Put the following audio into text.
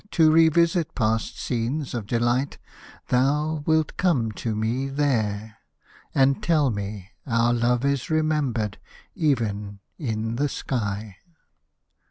To revisit past scenes of delight, thou wilt come to me there, And tell me our love is remembered, even in the sky.